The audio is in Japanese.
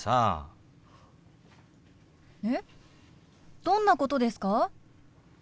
どんなことですか？